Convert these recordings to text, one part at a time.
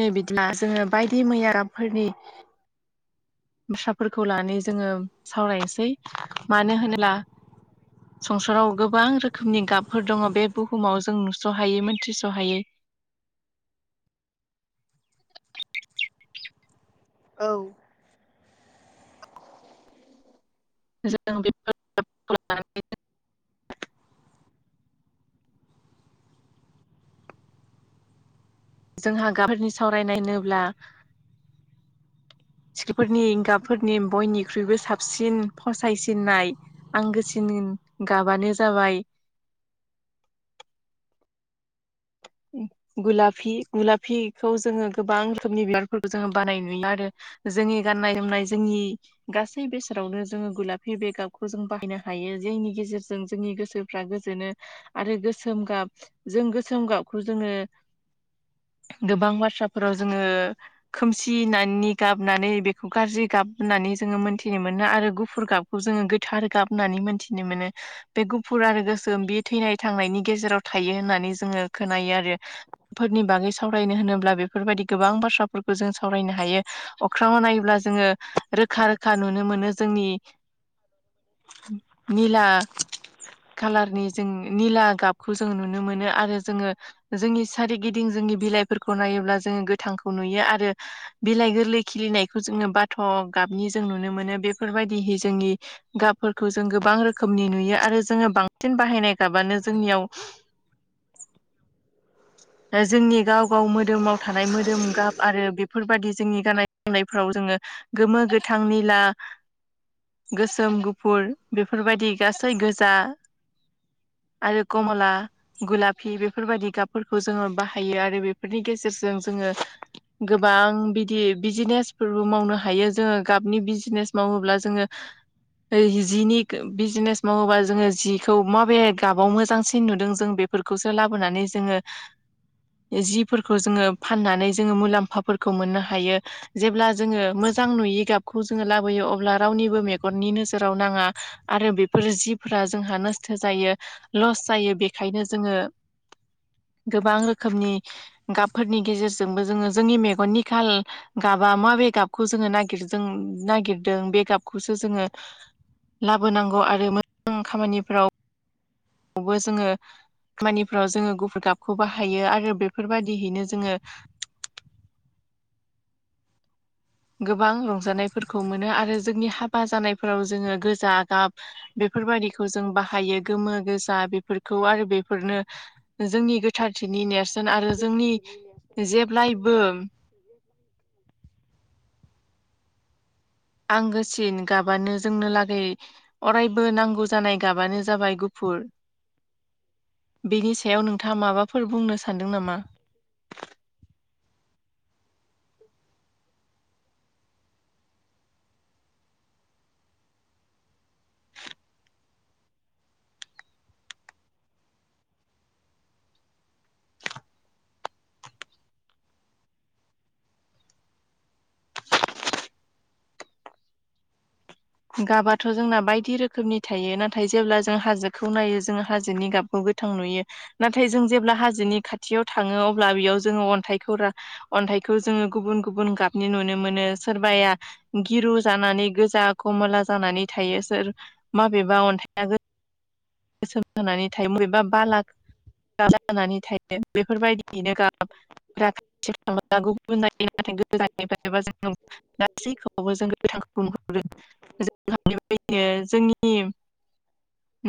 दे बिदिब्ला जोङो बायदि मैया गाबफोरनि बाथ्राफोरखौ लानानै जोङो सावरायनोसै मानो होनोब्ला संसाराव गोबां रोखोमनि गाबफोर दङ बे बुहुमाव जों नुस'हायै मोनथिस'हायै। [inaudible] औ जों बेफोर [unintelligible] जोंहा गाबफोरनि सावरायनाय होनोब्ला [inaudible] सिख्लाफोरनि गाबफोरनि बयनिख्रुइबो साबसिन फसायसिननाय आंगोसिन गाबानो जाबाय [inaudible] गुलाफि गुलाफिखौ जोङो गोबां रोखोमनि बिबारफोरखौ जोङो बानाय नुयो आरो जोंनि गाननाय जोमनाय जोंनि गासै बेसोरावनो जोङो गुलाफि बेगाबखौ जों बाहायनो हायो। जोंनि गेजेरजों जोंनि गोसोफ्रा गोजोनो आरो गोसोम गाब जों गोसोम गाब खौ जोङो गोबां बाथ्राफोराव जोङो खोमसिनि गाबनानै बेखौ गाज्रि गाब गाब हैननानै ज़ङो मोनथिनो मोनो आरो गुफुर गाबखौ जोङो गोथार गाबनानै मोनथिनो मोनो। बे गुफुर आरो गोसोम बे थैनाय थांनायनि गेजेराव थायो होननानै जोङो खोनायो आरो फोरनि बागै सावरायनो होनोब्ला बेफोरबायदि गोबां बाथ्राफोरखौ जों सावरायनो हायो। अख्राङाव नायोब्ला जोङो रोखा रोखा नुनो मोनो जोंनि औ निला खाालारनि जों निला गाबखौ जों नुनो मोनो आरो। जोङो जोंनि सारिगिदिं जोंनि बिलाइफोरखौ नायोब्ला जोङो गोथांखौ नुयो आरो बिलाइ लाय गोरलै खिलिनायखौ जोङो बाथ' गाबनि जों नुनो मोनो बेफोरबायदिहै जोंनि गाब फोरखौ जों गोबां रोखोमनि नुयो आरो जोङो बांसिन बाहायनाय गाबानो जोंनियाव [inaudible] जोंनि गाव गाव मोदोमाव थानाय मोदोम गाब आरो बेफोरबायदि जोंनि गाननाय जोमनायफ्राव जोङो गोमो, गोथां, निला गोसोम, गुफुर बेफोरबायदि गासै गोजा आरो कमला, गलाप फि बेफोरबायदि गाबफोरखौ जोङो बाहायो आरो बेफोरनि गेजेरजों जोङो गोबां बिदि बिजिनेसफोरबो मावनो हायो जोङो गाबनि बिजिनेस मावोब्ला जोङो जिनि बिजनेस मावोबा जोङो जिखौ माबे गाबाव मोजांसिन नुदों जों बेफोर खौसो लाबोनानै जोङो जिफोरखौ जोङो फाननानै जोङो मुलाम्फाफोरखौ मोननो हायो जेब्ला जोङो मोजां नुयि गाब खौ जोङो लाबोयो अब्ला रावनिबो मेगननि नोजोराव नाङा आरो बेफोर जिफोरा जोंहा नस थ' जायो लस जायो बेखायनो जोङो [inaudible] गोबां रोखोमनि गाबफोरनि गेजेरजोंबो जोङो जोंनि मेगननि खााल गाबा माबाय गाब खौ जोङो न नागिरदों बेकपखौसो जोङो लाबोनांगौ आरो मोजां खामानिफ्राव यावबो जोङो खामानिफ्राव जोङो गुफुर गाबखौ बाहायो आरो बेफोरबायाददियैनो जोङो [inaudible] गोबां रंजानायफोरखौ मोनो आरो जोंनि हाबा जानायफोराव जोङो गोजा गाब बे फोरबायाददिखौ जों बाहायो गोमो गोजा बेफोरखौ आरो बेफोरनो जोंनि गोथारनि नेर सोन आरो जोंनि जेब्लायबो आंगोसिन गाब बानो जोंनो लागै अरायबो नांगौ जानाय गाबानो जाबाय गुफुर‌। बेनि सायाव नोंथाङा माबाफोर बुंनो सा सान्दों नामा? गाबाथ' जोंना बायदि रोखोमनि थायो नाथाय जेब्ला जों हाजोखौ नायो जोङो हाजोनि गाबबोखौ गोथां नुयो नाथाय जों जेब्ला हाजोनि खाथियाव थाङो अब्ला बेयाव जोङो अन्थाइखौरा अन थायखौ जोङो गुबुन गुबुन गाबनि नुनो मोनो सोरबाया गिरु जानानै गोजा खमला जानानै थायो सोर माबेबा अन्थाइ गो गोसोम होनानै थायोम एबा बाला जानानै थायो बेफोरबायदियैनो गाबफ था गुबुन नाय [unintelligible] गोजाननिफ्रायबा जों गासैखौबो जों गोथांखौ बुंहरदों [unintelligible] जोंनि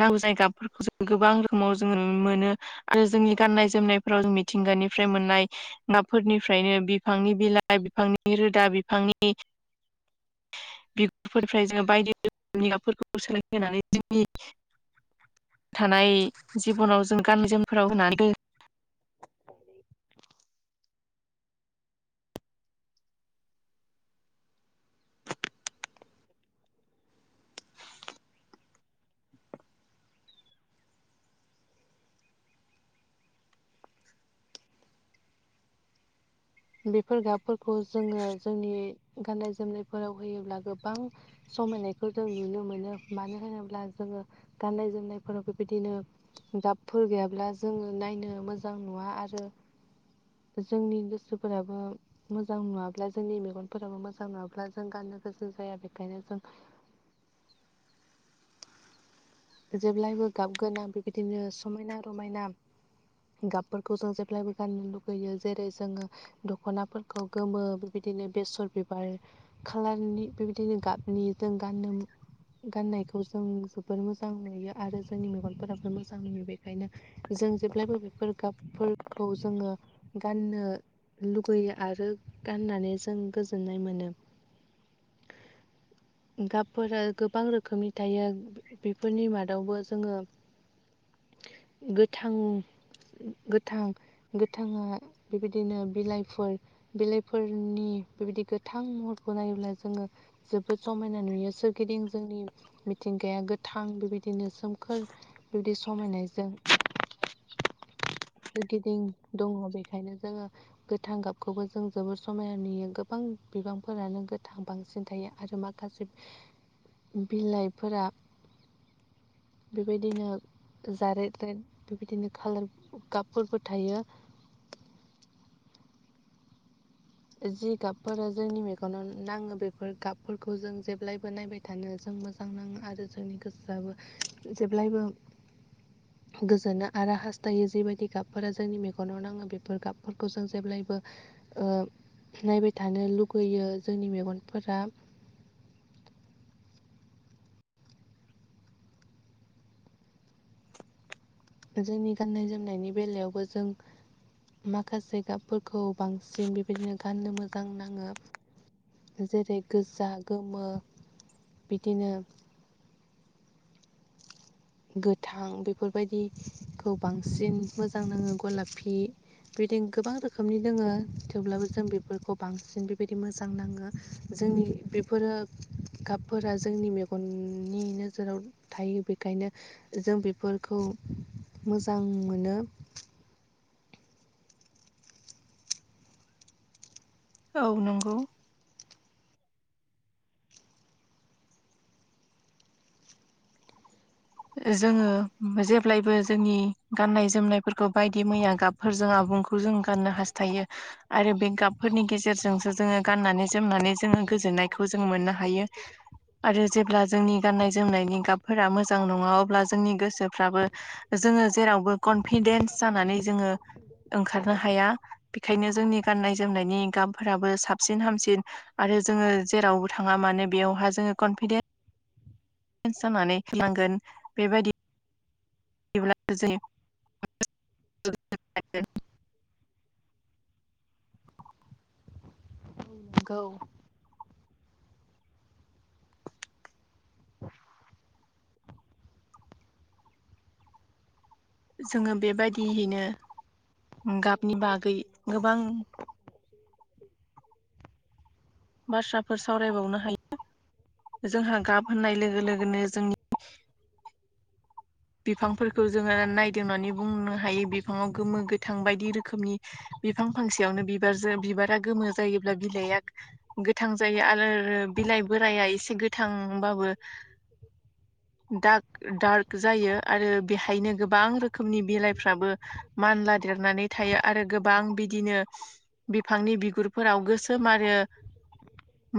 नांगौ जाय गाबफोरखौ जों गोबां रोखोमाव जोङो मोनो आरो जोंनि गाननाय जोमनायफोराव जों मिथिंगानिफ्राय मोननाय। गाबफोरनिफ्रायनो बिफांनि बिलाइ बिफांनि रोदा बिफांनि। बिगुरफोरफ्राय जोङो बायदि रोखोमनिगाबफोरखौ सोलाय होनानै जोंनि। थानाय जिबनाव [unintelligible] [inaudible] बेफोर गाबफोरखौ जोङो जोंनि गाननाय जोमनायफोराव होयोब्ला गोबां। समायनायखौ जों नुनो मोनो मानो होनोब्ला जोङो गाननाय जोमनायफोराव बेबायदिनो। गाबफोर गैयाब्ला जोङो नायनो मोजां नुवा आरो। जोंनि गोसो। फोराबो मोजां नुङाब्ला जोंनि मेगनफोराबो मोजां नुवाब्ला जों गाननो गोसो जाया बेनिखायनो जों। [inaudible] जेब्लायबो गाबगोनां बेबायदिनो समायना रमायना। गाबफोरखौ जों जेब्लायबो गाननो लुगैयो जेरै जोङो दख'नाफोरखौ गोमो बेबाय बिदिनो बेसर बिबार खालारनि बेबायदिनो गाबनि जों गाननो। गाननायखौ जों जोबोर मोज मोजां नुयो आरो जोंनि मेगनफोराबो मोजां नुयो बेखायनो जों जेब्लायबो बेफोर गाबफोरखौ। खौ जोङो गाननो। लुगैयो आरो गाननानै जों गोजोननाय मोनो। गाबफोरा गोबां रोखोमनि थायो। बेफोरनि मादावबो जोङो गोथां। गोथां गोथाङा बेबायदिनो बिलाइफोर बिलाइफोरनि। बेबायदि गोथां महरखौ नायोब्ला जोङो जोबोद समायना नुयो सोरगिदिं जोंनि। मिथिंगाया गोथां बेबायदिनो सोमखोर बेबायदि समायनायजों। [inaudible] सोरगिदिं दङ बेखायनो जोङो गोथां गाबखौबो जों जोबोर समायना नुयो गोबां। बिबांफोरानो गोथां बांसिन थायो आरो माखासे बिलाइफोरा। बेबायदिनो। जारेद रेड बेबायदिनो खाालार गापफोरबो थायो। [inaudible] जि गाबफोरा जोंनि मेगनाव नाङो बेफोर गाबफोरखौ जों जेब्लायबो नायबाय थानो जों। मोजांनाङो आरो जोंनि गोसोआआबो जेब्लायबो। गोजोनो आरो हास्थायो जिबायदि गाबफोरा जोंनि मेगनाव नाङो बेफोर गाबफोरखौ जों जेब्लायबो। ओ। नायबाय थानो लुगैयो जोंनि मेगनफोरा। जोंनि गाननाय जोमनायनि बेलायावबो जों। माखासे गाबफोरखौ बांसिन बेबायदिनो गाननो मोजां नाङो। जेरै गोजा गोमो बिदिनो। गोथां बेफोरबायदिखौ बांसिन मोजां नाङो गलाफि बेदिनो गोबां रोखोमनि दोङो थेवब्लाबो जों बेफोरखौ बांसिन बेबायदि मोजां नाङो। जों जोंनि बेफोरो गाबफोरा जोंनि मेगननि नोजोराव थायो बे। ओंखायनो जों बेफोरखौ मोजां मोनो। औ नोंगौ। ओ जोङो [unintelligible] जेब्लायबो जोंनि गाननाय जोमनायफोरखौ बायदि मैया गाबफोरजों आ [unintelligible] [unintelligible] खौ जों गाननो हास्थायो आरो बे गाबफोरनि गेजेरजोंसो जोङो गाननानैज जोमनानै जोङो गोजोन्नायखौ जों मोननो हायो। आरो जेब्ला जोंनि गाननाय जोमनायनि गाबफोरा मोज जां नङा अब्ला जोंनि गोसोफ्राबो जोङो जेरावबो कनफिडेन्स जानानै जोङो ओंखारनो हाया बेखायनो जोंनि गान्नाय जोमनायनि गाबफोराबो साबसिन हामसिन आरो जोङो जेरावबो थाङा मानो बेयावहा जोङो कनफिदे [unintelligible] [unintelligible] जानानै ओंखारलांगोन बेबायदि जेब्लाबो [unintelligible] [unintelligible] गौ [inaudible] जोङो बेबायदिहैनो उम गाबनि बागै गोबां बाथ्राफोर सावरायबावनो हायो। जोंहा गाब होननाय लोगो लोगोनो जोंनि बिफांफोरखौ जोङो नायदिंनानै बुंनो हायो बिफाङाव गोमो गोथां बायदि रोखोमनि बिफां फांसेयावनो बिबारजो बिबारा गोमो जायोब्ला बिलाइआ [unintelligible] गोथां जायो आरो रो बि बिलाइ बोराइया एसे गोथांबाबो [inaudible] दाक दार्क जायो आरो बेहायनो गोबां रोखोमनि बिलाइफ्राबो मानला [unintelligible] देरनानै थायो आरो गोबां बिदिनो बिफांनि बिगुरफोराव गोसोम आरो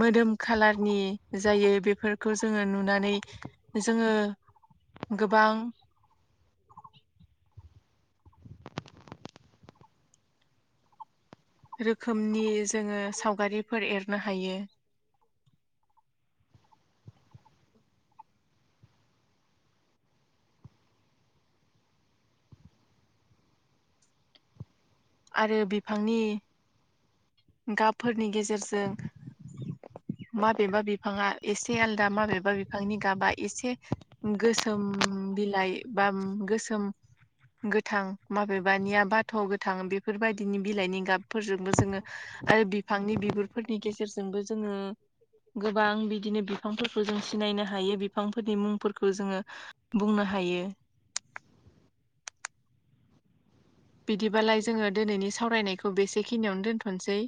मोदोम खालारनि जायो बेफोरखौ जोङो नुनानै जोङो गोबां रोखोमनि जोङो सावगारिफोर एरनो हायो। आरो बिफांनि गाबफोरनि गेजेरजों माबेबा बिफाङा एसे आलदा माबेबा बि फांनि गाबा एसे गोसोम बिलाइ बाम गोसोम गोथां माबेबानिया बाथ' गोथां बेफोरबायदिनि बिलाइनि गाबफोरजोंबो जोङो आरो बिफांनि बिगुरफोरनि गेजेरजोंबो जोङो गोबां बिदिनो बि [unintelligible] फांफोरखो जों सिनायनो हायो बिफांफोरनि मुंफोरखौ जोङो बुंनो हायो। [inaudible] बेदिबालाय जोङो दोनैनि सावरायनायखौ बेसे खिनियावनो दोनथ'नसै